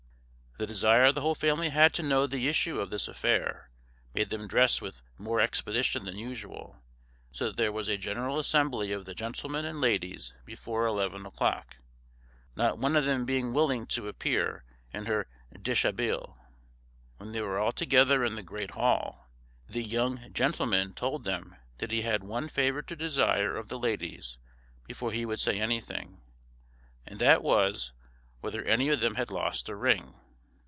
The desire the whole family had to know the issue of this affair, made them dress with more expedition than usual, so that there was a general assembly of the gentlemen and ladies before eleven o'clock, not one of them being willing to appear in her dishabille. When they were all together in the great hall, the young gentleman told them that he had one favour to desire of the ladies before he would say anything, and that was, whether any of them had lost a ring.